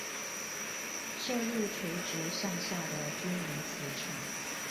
射入垂直向下的均勻磁場